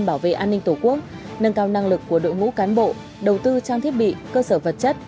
bảo vệ an ninh tổ quốc nâng cao năng lực của đội ngũ cán bộ đầu tư trang thiết bị cơ sở vật chất